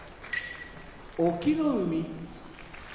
隠岐の海